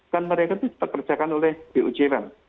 kan mereka itu dipekerjakan oleh pujp